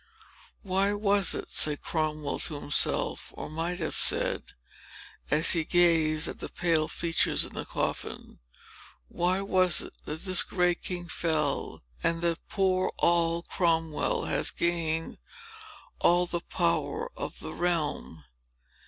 "Why was it," said Cromwell to himself—or might have said—as he gazed at the pale features in the coffin,—"Why was it, that this great king fell, and that poor Noll Cromwell has gained all the power of the realm?"